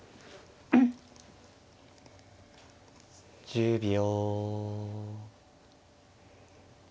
１０秒。